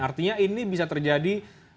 artinya ini bisa terjadi